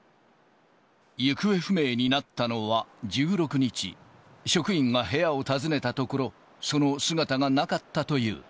行方不明になったのは１６日、職員が部屋を訪ねたところ、その姿がなかったという。